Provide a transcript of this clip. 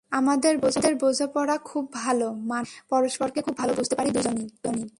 আমাদের বোঝাপড়া খুব ভালো, মাঠে পরস্পরকে খুব ভালো বুঝতে পারি দুজনই।